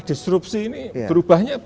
disrupsi ini berubahnya